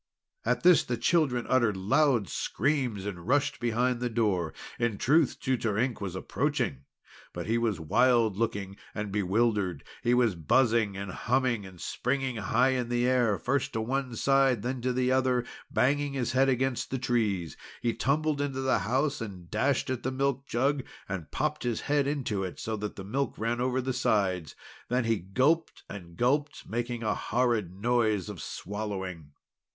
At this the children uttered loud screams, and rushed behind the door. In truth, Tutor Ink was approaching, but he was wild looking and bewildered. He was buzzing and humming, and springing high in the air, first to one side, then to the other, and banging his head against the trees. He tumbled into the house, and dashed at the milk jug, and popped his head into it so that the milk ran over the sides. Then he gulped and gulped, making a horrid noise of swallowing.